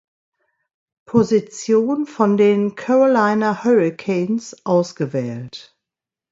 Position von den Carolina Hurricanes ausgewählt.